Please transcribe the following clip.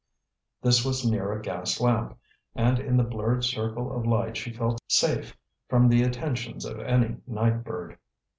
This was near a gas lamp, and in the blurred circle of light she felt safe from the attentions of any night bird.